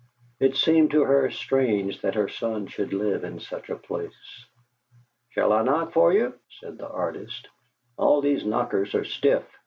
It seemed to her strange that her son should live in such a place. "Shall I knock for you?" said the artist. "All these knockers are stiff."